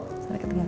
sampai ketemu pak